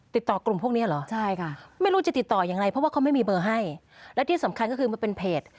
ติดต่อกลุ่มพวกเนี้ยเหรอใช่ค่ะไม่รู้จะติดต่ออย่างไรเพราะว่าเขาไม่มีเบอร์ให้และที่สำคัญก็คือมันเป็นเพจ